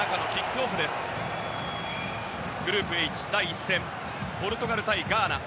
グループＨ、第１戦ポルトガル対ガーナ。